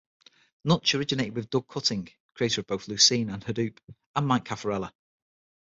Nutch originated with Doug Cutting, creator of both Lucene and Hadoop, and Mike Cafarella.